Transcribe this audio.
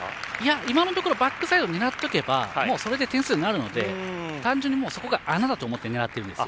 今のところバックサイド狙っておけばもうそれで点数になるので単純にそこが穴だと思って狙ってるんですよ。